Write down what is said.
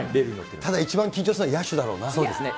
ただ一番緊張するのは野手だそうですね。